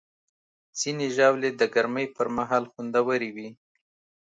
ځینې ژاولې د ګرمۍ پر مهال خوندورې وي.